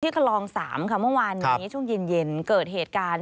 คลอง๓ค่ะเมื่อวานนี้ช่วงเย็นเกิดเหตุการณ์